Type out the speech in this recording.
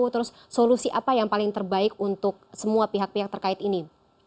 terus solusi apa yang paling terbaik untuk semua pihak pihak terkait ini